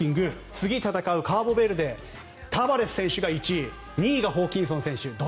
次、戦うカーボベルデのタバレス選手が１位ホーキンソン選手が２位。